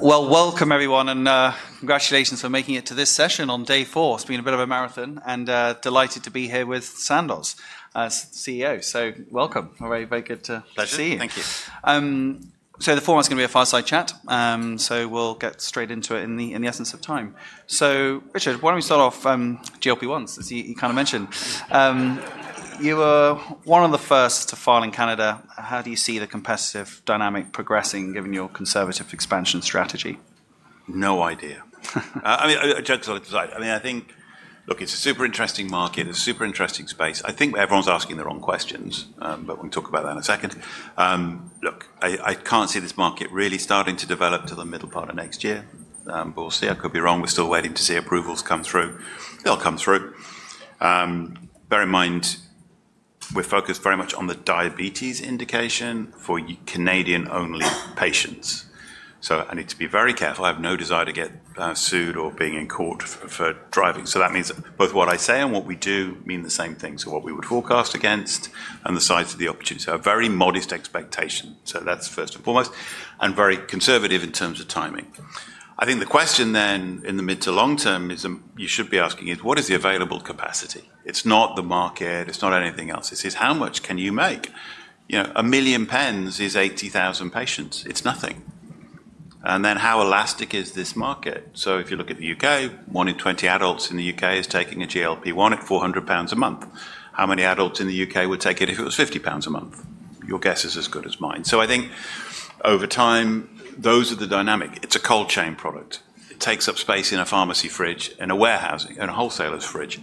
Welcome, everyone, and congratulations for making it to this session on day four. It has been a bit of a marathon, and delighted to be here with Sandoz CEO. Welcome. Very, very good to see you. Thank you. The format's going to be a fireside chat, so we'll get straight into it in the essence of time. Richard, why don't we start off GLP-1s, as you kind of mentioned. You were one of the first to file in Canada. How do you see the competitive dynamic progressing, given your conservative expansion strategy? No idea. I mean, I joke as I decide. I mean, I think, look, it's a super interesting market, a super interesting space. I think everyone's asking the wrong questions, but we'll talk about that in a second. Look, I can't see this market really starting to develop to the middle part of next year, but we'll see. I could be wrong. We're still waiting to see approvals come through. They'll come through. Bear in mind, we're focused very much on the diabetes indication for Canadian-only patients. I need to be very careful. I have no desire to get sued or being in court for driving. That means both what I say and what we do mean the same thing to what we would forecast against and the size of the opportunity. A very modest expectation. That's first and foremost, and very conservative in terms of timing. I think the question then in the mid to long term you should be asking is, what is the available capacity? It's not the market. It's not anything else. It's how much can you make? A million pens is 80,000 patients. It's nothing. And then how elastic is this market? If you look at the U.K., one in 20 adults in the U.K. is taking a GLP-1 at 400 pounds a month. How many adults in the U.K. would take it if it was 50 pounds a month? Your guess is as good as mine. I think over time, those are the dynamic. It's a cold chain product. It takes up space in a pharmacy fridge and a warehouse and a wholesaler's fridge.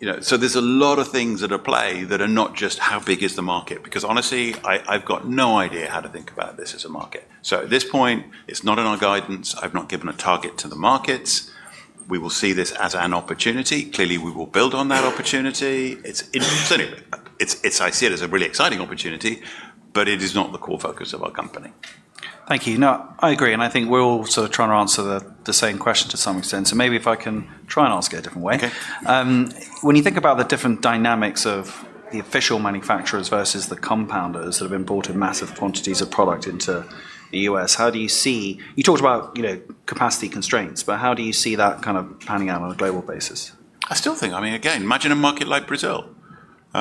There are a lot of things at play that are not just how big is the market, because honestly, I've got no idea how to think about this as a market. At this point, it's not in our guidance. I've not given a target to the markets. We will see this as an opportunity. Clearly, we will build on that opportunity. It's interesting. I see it as a really exciting opportunity, but it is not the core focus of our company. Thank you. No, I agree. I think we're all sort of trying to answer the same question to some extent. Maybe if I can try and ask it a different way. When you think about the different dynamics of the official manufacturers versus the compounders that have imported massive quantities of product into the US, how do you see, you talked about capacity constraints, but how do you see that kind of panning out on a global basis? I still think, I mean, again, imagine a market like Brazil, all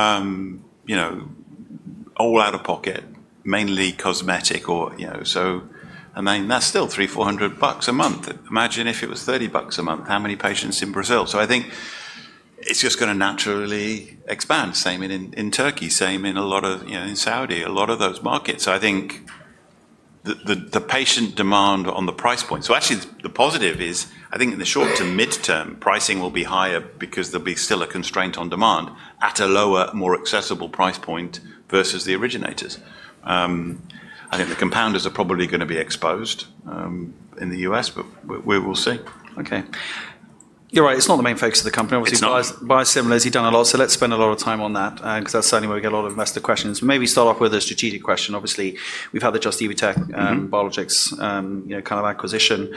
out of pocket, mainly cosmetic. That is still $300-$400 a month. Imagine if it was $30 a month, how many patients in Brazil? I think it is just going to naturally expand. Same in Turkey, same in a lot of Saudi, a lot of those markets. I think the patient demand on the price point. Actually, the positive is I think in the short to midterm, pricing will be higher because there will still be a constraint on demand at a lower, more accessible price point versus the originators. I think the compounders are probably going to be exposed in the US, but we will see. Okay. You're right. It's not the main focus of the company. Obviously, biosimilars you've done a lot, so let's spend a lot of time on that because that's certainly where we get a lot of investor questions. Maybe start off with a strategic question. Obviously, we've had the Just–Evotec Biologics kind of acquisition.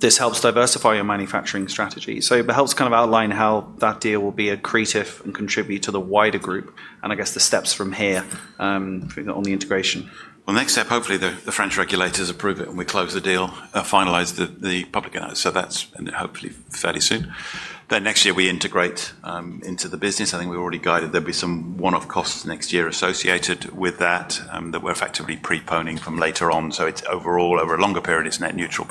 This helps diversify your manufacturing strategy. It helps kind of outline how that deal will be accretive and contribute to the wider group and I guess the steps from here on the integration. Next step, hopefully the French regulators approve it and we close the deal, finalize the public announcement. That is hopefully fairly soon. Next year we integrate into the business. I think we've already guided there will be some one-off costs next year associated with that that we're effectively preponing from later on. Overall, over a longer period, it's net neutral.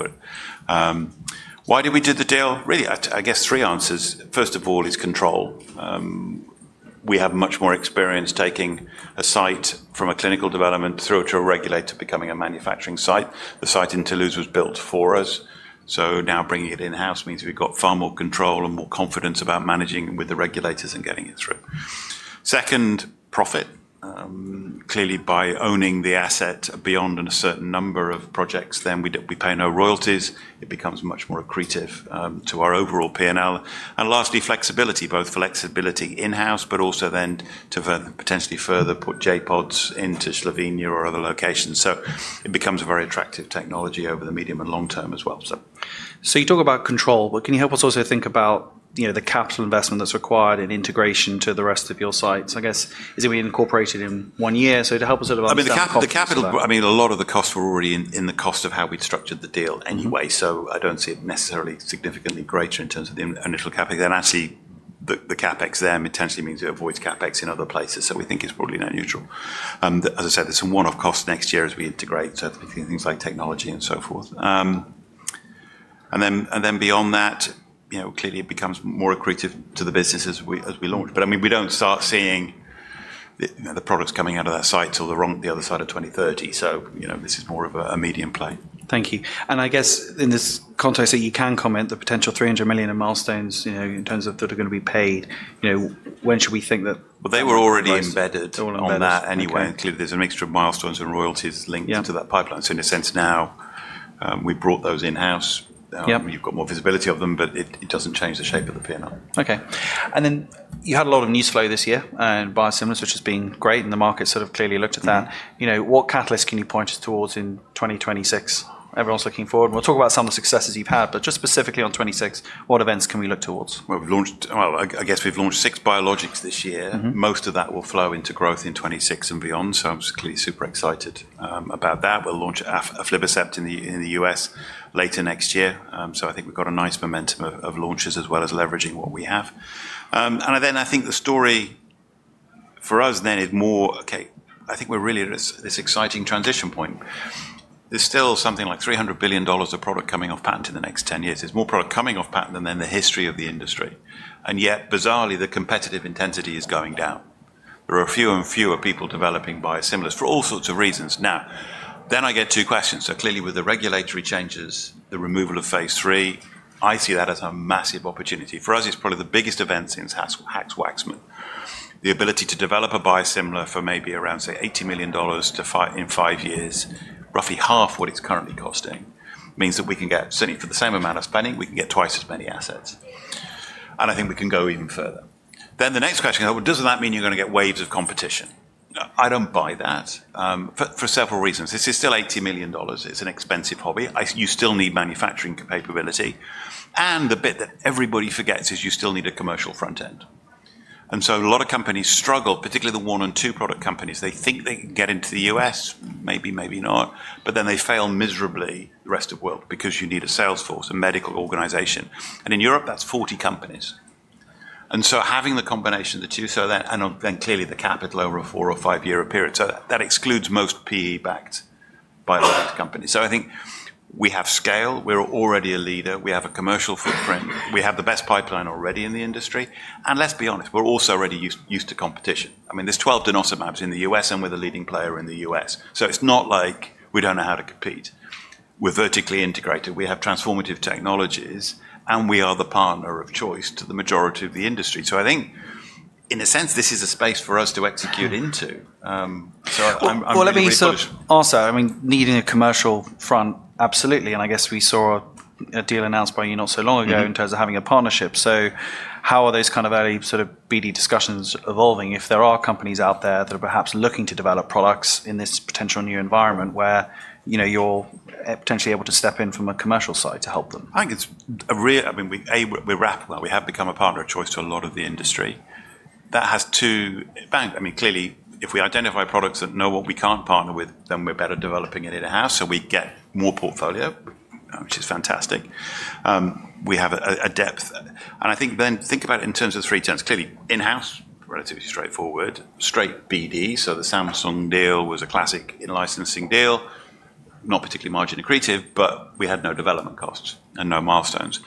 Why did we do the deal? Really, I guess three answers. First of all, it's control. We have much more experience taking a site from a clinical development through to a regulator becoming a manufacturing site. The site in Toulouse was built for us. Now bringing it in-house means we've got far more control and more confidence about managing with the regulators and getting it through. Second, profit. Clearly, by owning the asset beyond a certain number of projects, then we pay no royalties. It becomes much more accretive to our overall P&L. Lastly, flexibility, both flexibility in-house, but also then to potentially further put J-PODs into Slovenia or other locations. It becomes a very attractive technology over the medium and long term as well. You talk about control, but can you help us also think about the capital investment that's required in integration to the rest of your sites? I guess, is it incorporated in one year? To help us sort of. I mean, the capital, I mean, a lot of the costs were already in the cost of how we'd structured the deal anyway. I do not see it necessarily significantly greater in terms of the initial CapEx. Actually, the CapEx there potentially means it avoids CapEx in other places. We think it is probably net neutral. As I said, there are some one-off costs next year as we integrate certain things like technology and so forth. Beyond that, clearly it becomes more accretive to the businesses as we launch. I mean, we do not start seeing the products coming out of that site till the other side of 2030. This is more of a medium play. Thank you. I guess in this context, you can comment the potential $300 million in milestones in terms of that are going to be paid. When should we think that? They were already embedded on that anyway. There are extra milestones and royalties linked to that pipeline. In a sense, now we brought those in-house. You have more visibility of them, but it does not change the shape of the P&L. Okay. You had a lot of news flow this year in biosimilars, which has been great, and the market sort of clearly looked at that. What catalysts can you point us towards in 2026? Everyone's looking forward. We'll talk about some of the successes you've had, but just specifically on 2026, what events can we look towards? I guess we've launched six biologics this year. Most of that will flow into growth in 2026 and beyond. I am clearly super excited about that. We'll launch Aflibercept in the US later next year. I think we've got a nice momentum of launches as well as leveraging what we have. I think the story for us then is more, okay, I think we're really at this exciting transition point. There's still something like $300 billion of product coming off patent in the next 10 years. There's more product coming off patent than the history of the industry. Yet, bizarrely, the competitive intensity is going down. There are fewer and fewer people developing biosimilars for all sorts of reasons. I get two questions. Clearly, with the regulatory changes, the removal of phase three, I see that as a massive opportunity. For us, it's probably the biggest event since Hatch-Waxman. The ability to develop a biosimilar for maybe around, say, $80 million in five years, roughly half what it's currently costing, means that we can get, certainly for the same amount of spending, we can get twice as many assets. I think we can go even further. The next question, doesn't that mean you're going to get waves of competition? I don't buy that for several reasons. This is still $80 million. It's an expensive hobby. You still need manufacturing capability. The bit that everybody forgets is you still need a commercial front end. A lot of companies struggle, particularly the one and two product companies. They think they can get into the US, maybe, maybe not, but then they fail miserably the rest of the world because you need a sales force, a medical organization. In Europe, that's 40 companies. Having the combination of the two, clearly the capital over a four or five year period. That excludes most PE backed biologics companies. I think we have scale. We're already a leader. We have a commercial footprint. We have the best pipeline already in the industry. Let's be honest, we're also already used to competition. I mean, there's 12 Denosumab in the US and we're the leading player in the US. It's not like we don't know how to compete. We're vertically integrated. We have transformative technologies, and we are the partner of choice to the majority of the industry. I think in a sense, this is a space for us to execute into. Let me sort of ask that. I mean, needing a commercial front, absolutely. I guess we saw a deal announced by you not so long ago in terms of having a partnership. How are those kind of early sort of BD discussions evolving if there are companies out there that are perhaps looking to develop products in this potential new environment where you're potentially able to step in from a commercial side to help them? I think it's a real, I mean, we're wrapped with that. We have become a partner of choice to a lot of the industry. That has two bangs. I mean, clearly, if we identify products that know what we can't partner with, then we're better developing it in-house. So we get more portfolio, which is fantastic. We have a depth. I think then think about it in terms of three terms. Clearly, in-house, relatively straightforward, straight BD. The Samsung deal was a classic in-licensing deal, not particularly margin accretive, but we had no development costs and no milestones.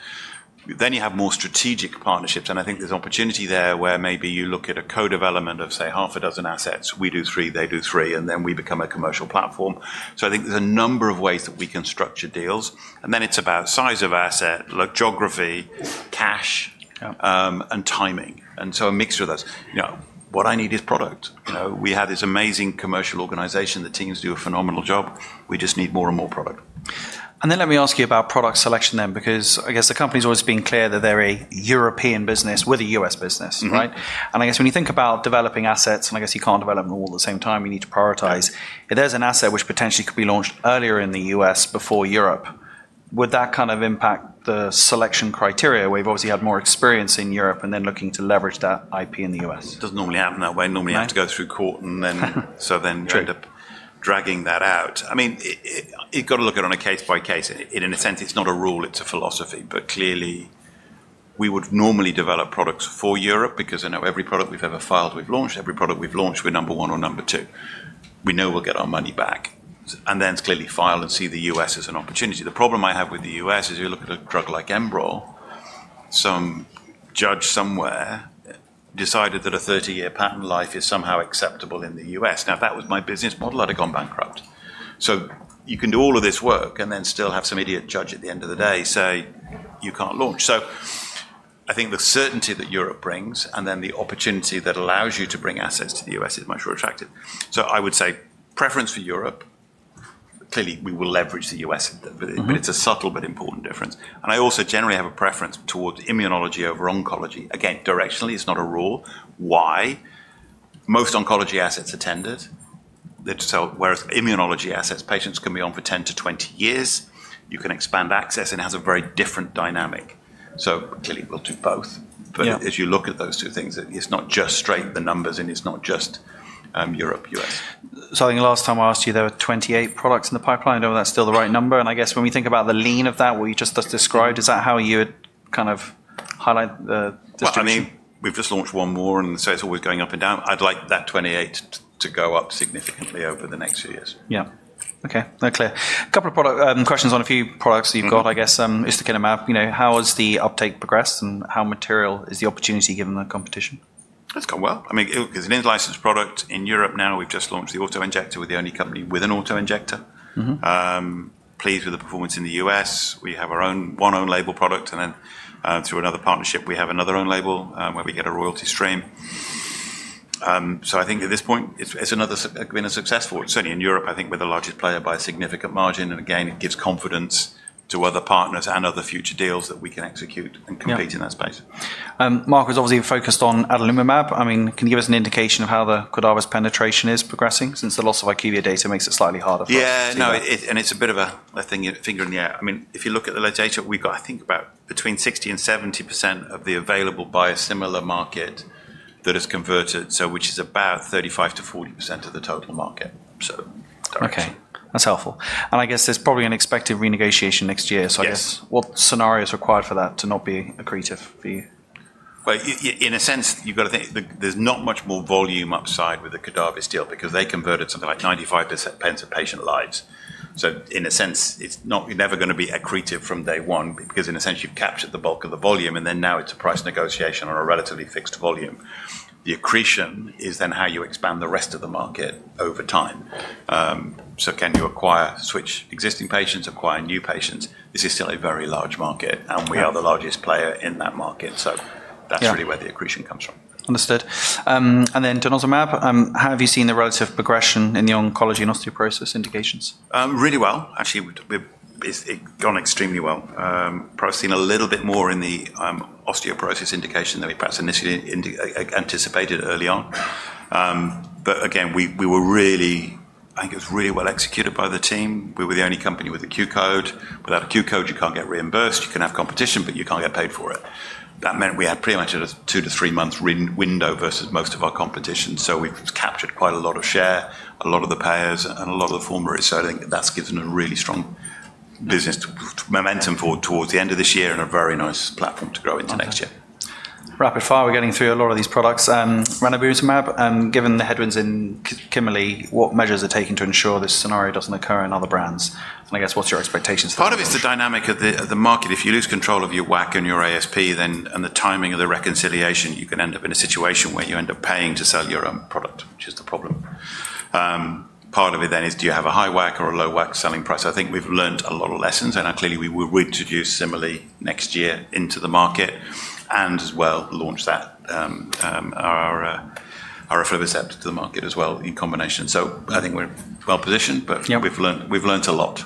You have more strategic partnerships. I think there's opportunity there where maybe you look at a co-development of, say, half a dozen assets. We do three, they do three, and then we become a commercial platform. I think there's a number of ways that we can structure deals. Then it's about size of asset, geography, cash, and timing. A mixture of that. What I need is product. We have this amazing commercial organization. The teams do a phenomenal job. We just need more and more product. Let me ask you about product selection then, because I guess the company's always been clear that they're a European business with a US business, right? I guess when you think about developing assets, and I guess you can't develop them all at the same time, you need to prioritize. If there's an asset which potentially could be launched earlier in the US before Europe, would that kind of impact the selection criteria? We've obviously had more experience in Europe and then looking to leverage that IP in the US. It doesn't normally happen that way. Normally you have to go through court and then you end up dragging that out. I mean, you've got to look at it on a case by case. In a sense, it's not a rule. It's a philosophy. Clearly, we would normally develop products for Europe because I know every product we've ever filed, we've launched. Every product we've launched, we're number one or number two. We know we'll get our money back. Then it's clearly file and see the US as an opportunity. The problem I have with the US is you look at a drug like Enbrel. Some judge somewhere decided that a 30-year patent life is somehow acceptable in the US. Now, if that was my business model, I'd have gone bankrupt. You can do all of this work and then still have some idiot judge at the end of the day say you can't launch. I think the certainty that Europe brings and then the opportunity that allows you to bring assets to the US is much more attractive. I would say preference for Europe. Clearly, we will leverage the US, but it's a subtle but important difference. I also generally have a preference towards immunology over oncology. Again, directionally, it's not a rule. Why? Most oncology assets are tenders. Whereas immunology assets, patients can be on for 10 to 20 years. You can expand access and it has a very different dynamic. Clearly, we'll do both. As you look at those two things, it's not just straight the numbers and it's not just Europe, US. I think last time I asked you, there were 28 products in the pipeline. I do not know if that is still the right number. I guess when we think about the lean of that, what you just described, is that how you would kind of highlight the distinction? I mean, we've just launched one more and so it's always going up and down. I'd like that 28 to go up significantly over the next few years. Yeah. Okay. That's clear. A couple of product questions on a few products you've got, I guess. Ustekinumab, how has the uptake progressed and how material is the opportunity given the competition? It's gone well. I mean, it's an in-licensed product in Europe now. We've just launched the auto injector. We're the only company with an auto injector. Pleased with the performance in the US. We have our own one-own label product. And then through another partnership, we have another own label where we get a royalty stream. I think at this point, it's been a success for it. Certainly in Europe, I think we're the largest player by a significant margin. It gives confidence to other partners and other future deals that we can execute and compete in that space. Mark was obviously focused on adalimumab. I mean, can you give us an indication of how the Cordavis penetration is progressing since the loss of IQVIA data makes it slightly harder for us? Yeah, no, and it's a bit of a finger in the air. I mean, if you look at the latecent, we've got I think about between 60% and 70% of the available biosimilar market that has converted, which is about 35%-40% of the total market. Okay. That's helpful. I guess there's probably an expected renegotiation next year. I guess what scenario is required for that to not be accretive for you? You have got to think there is not much more volume upside with the Cordavis deal because they converted something like 95% patient lives. In a sense, you are never going to be accretive from day one because you have captured the bulk of the volume. It is now a price negotiation on a relatively fixed volume. The accretion is then how you expand the rest of the market over time. Can you switch existing patients, acquire new patients? This is still a very large market and we are the largest player in that market. That is really where the accretion comes from. Understood. And then Denosumab, how have you seen the relative progression in the oncology and osteoporosis indications? Really well. Actually, it's gone extremely well. Probably seen a little bit more in the osteoporosis indication than we perhaps initially anticipated early on. Again, we were really, I think it was really well executed by the team. We were the only company with a Q code. Without a Q code, you can't get reimbursed. You can have competition, but you can't get paid for it. That meant we had pretty much a two- to three-month window versus most of our competition. We have captured quite a lot of share, a lot of the payers, and a lot of the former. I think that's given a really strong business momentum forward towards the end of this year and a very nice platform to grow into next year. Rapid fire, we're getting through a lot of these products. Denosumab, given the headwinds in Kimberley, what measures are taken to ensure this scenario doesn't occur in other brands? And I guess what's your expectations? Part of it's the dynamic of the market. If you lose control of your WAC and your ASP then and the timing of the reconciliation, you can end up in a situation where you end up paying to sell your own product, which is the problem. Part of it then is do you have a high WAC or a low WAC selling price? I think we've learned a lot of lessons and clearly we will reintroduce similarly next year into the market and as well launch our Aflibercept to the market as well in combination. I think we're well positioned, but we've learned a lot.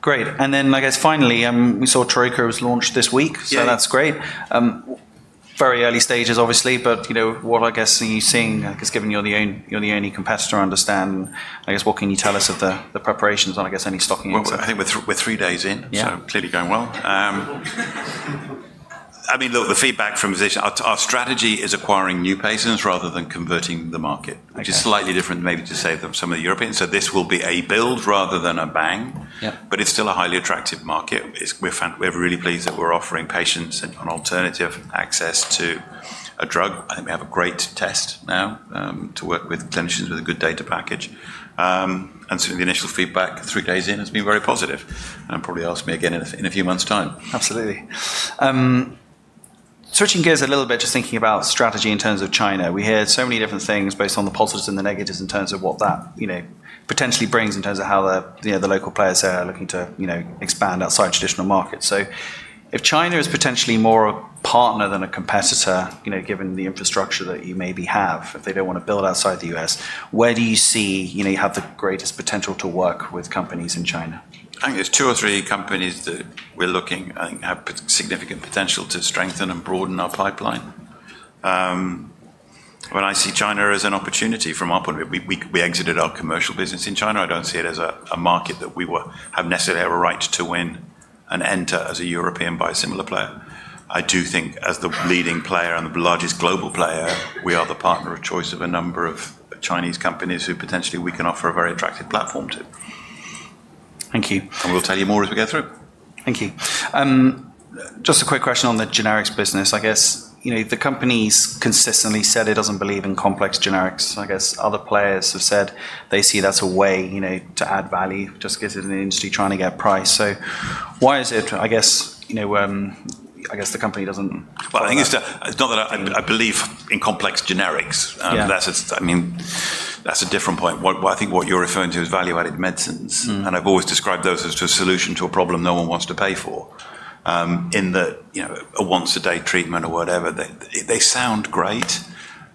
Great. I guess finally, we saw Tyruko was launched this week. That's great. Very early stages, obviously, but what I guess are you seeing, given you're the only competitor to understand, I guess what can you tell us of the preparations on any stocking? I think we're three days in, so clearly going well. I mean, look, the feedback from our strategy is acquiring new patients rather than converting the market, which is slightly different maybe to say some of the Europeans. This will be a build rather than a bang, but it's still a highly attractive market. We're really pleased that we're offering patients an alternative access to a drug. I think we have a great test now to work with clinicians with a good data package. Certainly the initial feedback three days in has been very positive. Probably ask me again in a few months' time. Absolutely. Switching gears a little bit, just thinking about strategy in terms of China. We hear so many different things based on the positives and the negatives in terms of what that potentially brings in terms of how the local players are looking to expand outside traditional markets. If China is potentially more a partner than a competitor, given the infrastructure that you maybe have, if they do not want to build outside the US, where do you see you have the greatest potential to work with companies in China? I think there's two or three companies that we're looking at and have significant potential to strengthen and broaden our pipeline. When I see China as an opportunity from our point of view, we exited our commercial business in China. I don't see it as a market that we have necessarily a right to win and enter as a European biosimilar player. I do think as the leading player and the largest global player, we are the partner of choice of a number of Chinese companies who potentially we can offer a very attractive platform to. Thank you. We will tell you more as we go through. Thank you. Just a quick question on the generics business. I guess the company's consistently said it doesn't believe in complex generics. I guess other players have said they see that's a way to add value, just because in the industry trying to get a price. So why is it the company doesn't? I think it's not that I believe in complex generics. I mean, that's a different point. I think what you're referring to is value-added medicines. I've always described those as a solution to a problem no one wants to pay for. In the once-a-day treatment or whatever, they sound great,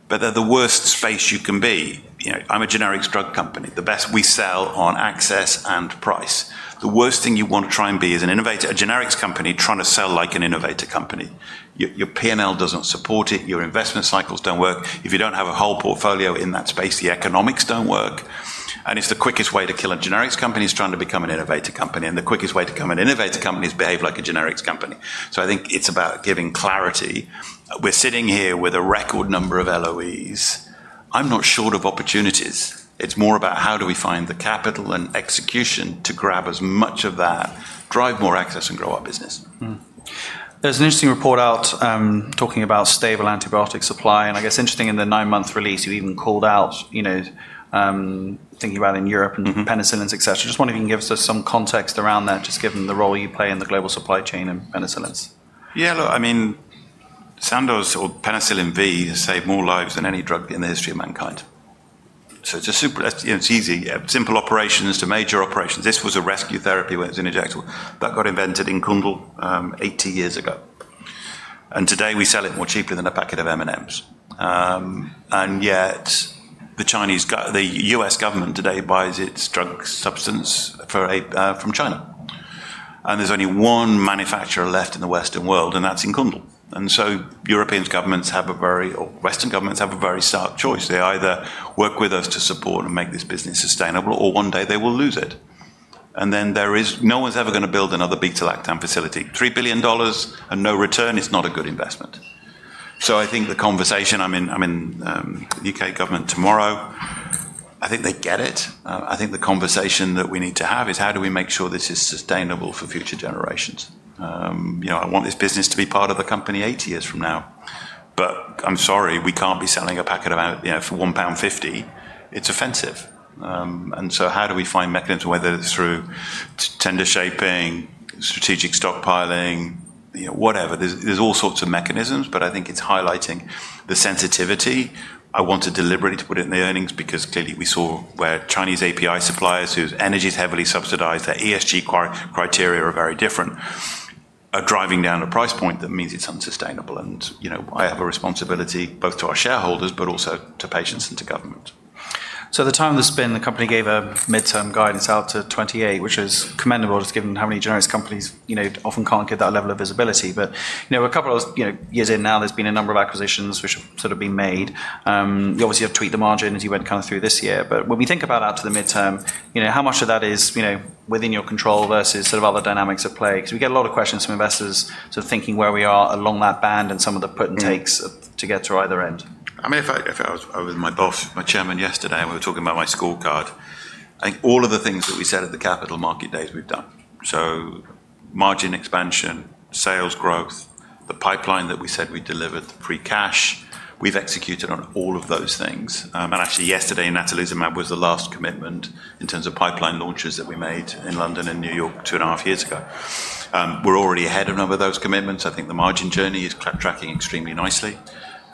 but they're the worst space you can be. I'm a generics drug company. The best we sell on access and price. The worst thing you want to try and be is an innovator, a generics company trying to sell like an innovator company. Your P&L doesn't support it. Your investment cycles don't work. If you don't have a whole portfolio in that space, the economics don't work. It's the quickest way to kill a generics company is trying to become an innovator company. The quickest way to become an innovator company is behave like a generics company. I think it's about giving clarity. We're sitting here with a record number of LOEs. I'm not short of opportunities. It's more about how do we find the capital and execution to grab as much of that, drive more access, and grow our business. There's an interesting report out talking about stable antibiotic supply. I guess interesting in the nine-month release, you even called out thinking about in Europe and penicillins, etc. Just want to give us some context around that, just given the role you play in the global supply chain and penicillins. Yeah, look, I mean, Sandoz or penicillin V has saved more lives than any drug in the history of mankind. So it's a super, it's easy, simple operations to major operations. This was a rescue therapy when it was injectable. That got invented in Kundl 80 years ago. Today we sell it more cheaply than a packet of M&Ms. Yet the U.S. government today buys its drug substance from China. There is only one manufacturer left in the Western world, and that's in Kundl. European governments have a very, Western governments have a very stark choice. They either work with us to support and make this business sustainable, or one day they will lose it. No one's ever going to build another beta-lactam facility. $3 billion and no return, it's not a good investment. I think the conversation, I mean, I'm in the U.K. government tomorrow. I think they get it. I think the conversation that we need to have is how do we make sure this is sustainable for future generations. I want this business to be part of the company 80 years from now. I'm sorry, we can't be selling a packet of for 1.50 pound. It's offensive. How do we find mechanisms, whether it's through tender shaping, strategic stockpiling, whatever. There are all sorts of mechanisms, but I think it's highlighting the sensitivity. I want to deliberately put it in the earnings because clearly we saw where Chinese API suppliers whose energy is heavily subsidized, their ESG criteria are very different, are driving down a price point that means it's unsustainable. I have a responsibility both to our shareholders, but also to patients and to government. At the time of the spin, the company gave a midterm guidance out to 2028, which is commendable just given how many generics companies often can't get that level of visibility. A couple of years in now, there's been a number of acquisitions which have sort of been made. You obviously have tweaked the margin as you went kind of through this year. When we think about out to the midterm, how much of that is within your control versus sort of other dynamics at play? We get a lot of questions from investors sort of thinking where we are along that band and some of the put and takes to get to either end. I mean, if I was with my boss, my Chairman yesterday, and we were talking about my scorecard, I think all of the things that we said at the capital market days we've done. Margin expansion, sales growth, the pipeline that we said we delivered, the free cash, we've executed on all of those things. Actually yesterday, Natalizumab was the last commitment in terms of pipeline launches that we made in London and New York two and a half years ago. We're already ahead of a number of those commitments. I think the margin journey is tracking extremely nicely.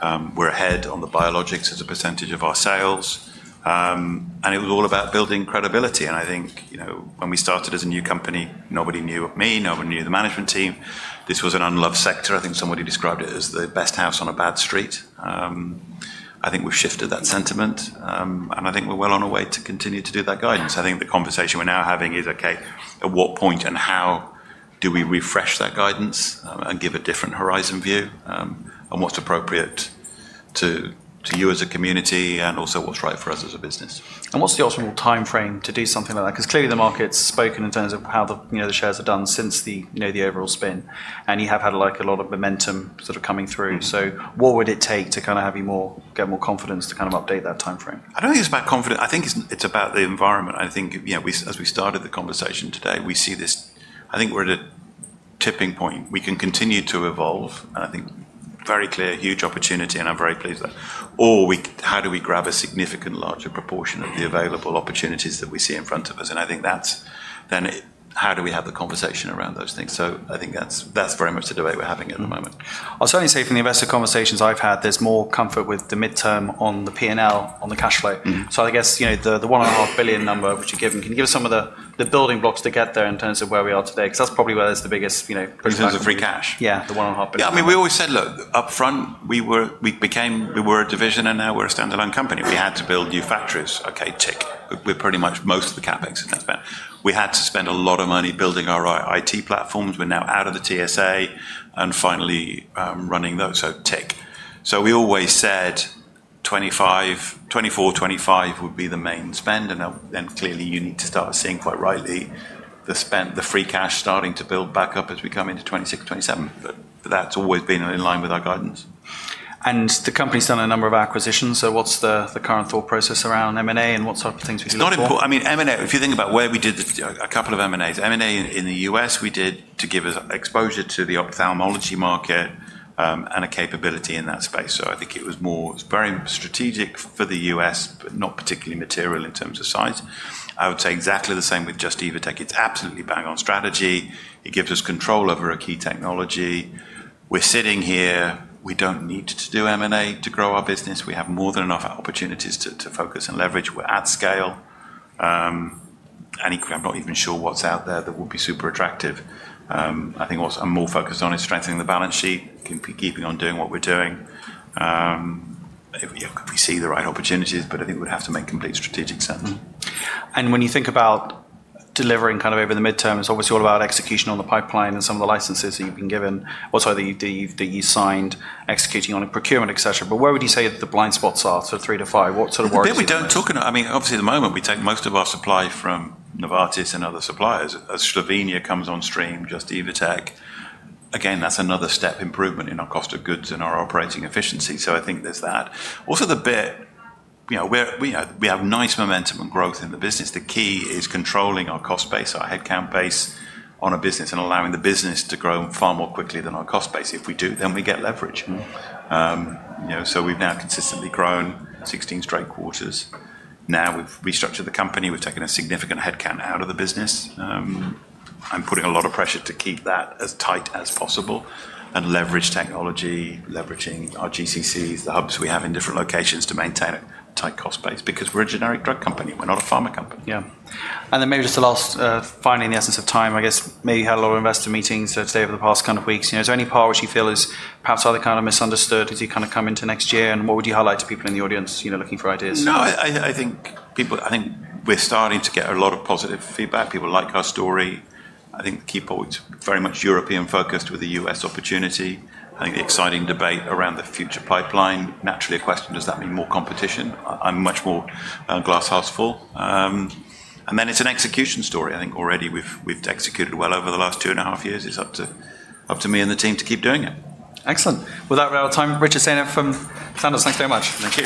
We're ahead on the biologics as a percentage of our sales. It was all about building credibility. I think when we started as a new company, nobody knew of me, nobody knew the management team. This was an unloved sector. I think somebody described it as the best house on a bad street. I think we've shifted that sentiment. I think we're well on our way to continue to do that guidance. I think the conversation we're now having is, okay, at what point and how do we refresh that guidance and give a different horizon view on what's appropriate to you as a community and also what's right for us as a business. What is the optimal timeframe to do something like that? Because clearly the market has spoken in terms of how the shares have done since the overall spin. You have had a lot of momentum coming through. What would it take to have you get more confidence to update that timeframe? I don't think it's about confidence. I think it's about the environment. I think as we started the conversation today, we see this, I think we're at a tipping point. We can continue to evolve. I think very clear, huge opportunity, and I'm very pleased with that. How do we grab a significant larger proportion of the available opportunities that we see in front of us? I think that's then how do we have the conversation around those things? I think that's very much the debate we're having at the moment. I'll certainly say from the investor conversations I've had, there's more comfort with the midterm on the P&L, on the cash flow. I guess the $1.5 billion number, which you're giving, can you give us some of the building blocks to get there in terms of where we are today? Because that's probably where there's the biggest. In terms of free cash. Yeah, the $1.5 billion. Yeah, I mean, we always said, look, upfront, we became, we were a division and now we're a standalone company. We had to build new factories. Okay, tick. We're pretty much most of the CapEx is now spent. We had to spend a lot of money building our IT platforms. We're now out of the TSA and finally running those. Tick. We always said 2024, 2025 would be the main spend. Clearly, you need to start seeing, quite rightly, the free cash starting to build back up as we come into 2026, 2027. That's always been in line with our guidance. The company's done a number of acquisitions. What is the current thought process around M&A and what sort of things do we do? It's not important. I mean, M&A, if you think about where we did a couple of M&As, M&A in the US we did to give us exposure to the ophthalmology market and a capability in that space. I think it was more very strategic for the US, but not particularly material in terms of size. I would say exactly the same with Just–Evotec Biologics. It's absolutely bang on strategy. It gives us control over a key technology. We're sitting here. We don't need to do M&A to grow our business. We have more than enough opportunities to focus and leverage. We're at scale. I'm not even sure what's out there that would be super attractive. I think what I'm more focused on is strengthening the balance sheet, keeping on doing what we're doing. We see the right opportunities, but I think we'd have to make complete strategic sense. When you think about delivering kind of over the midterm, it's obviously all about execution on the pipeline and some of the licenses that you've been given. What sort of that you've signed executing on procurement, etc. Where would you say the blind spots are for three to five? What sort of work? I think we don't talk about, I mean, obviously at the moment we take most of our supply from Novartis and other suppliers. As Slovenia comes on stream, Just–Evotec Biologics, again, that's another step improvement in our cost of goods and our operating efficiency. I think there's that. Also the bit, we have nice momentum and growth in the business. The key is controlling our cost base, our headcount base on a business and allowing the business to grow far more quickly than our cost base. If we do, then we get leverage. We've now consistently grown 16 straight quarters. Now we've restructured the company. We've taken a significant headcount out of the business. I'm putting a lot of pressure to keep that as tight as possible and leverage technology, leveraging our GCCs, the hubs we have in different locations to maintain a tight cost base because we're a generic drug company. We're not a pharma company. Yeah. Maybe just the last, finally, in the essence of time, I guess maybe you had a lot of investor meetings today over the past kind of weeks. Is there any part which you feel is perhaps either kind of misunderstood as you kind of come into next year? What would you highlight to people in the audience looking for ideas? No, I think people, I think we're starting to get a lot of positive feedback. People like our story. I think the key point is very much European focused with the US opportunity. I think the exciting debate around the future pipeline, naturally a question, does that mean more competition? I'm much more glasshouse full. Then it's an execution story. I think already we've executed well over the last two and a half years. It's up to me and the team to keep doing it. Excellent. That wraps up time. Richard Saynor from Sandoz, thanks very much. Thank you.